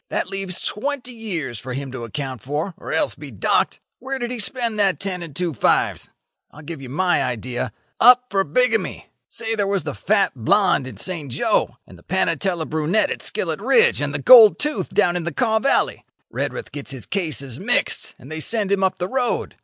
That leaves twenty years for him to account for, or else be docked. Where did he spend that ten and two fives? I'll give you my idea. Up for bigamy. Say there was the fat blonde in Saint Jo, and the panatela brunette at Skillet Ridge, and the gold tooth down in the Kaw valley. Redruth gets his cases mixed, and they send him up the road.